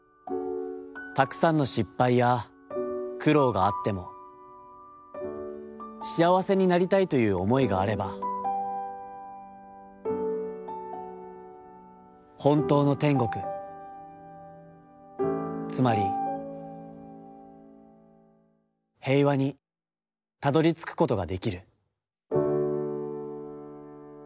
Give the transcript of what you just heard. たくさんの失敗や苦労があっても、しあわせになりたいという思いがあれば、ほんとうの天国、つまり平和にたどり着くことができる』」。